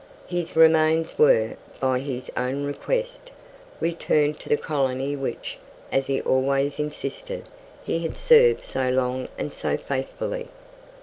His remains were, by his own request, returned to the colony which, as he always insisted, he had served so long and so faithfully.